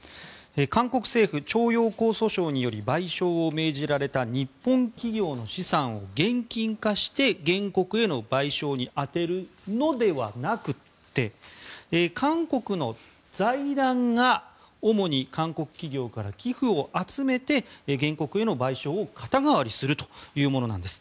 韓国政府徴用工訴訟により賠償を命じられた日本企業の資産を現金化して原告への賠償に充てるのではなくて韓国の財団が主に韓国企業から寄付を集めて原告への賠償を肩代わりするというものなんです。